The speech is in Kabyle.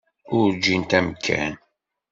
Ur ǧǧint amkan.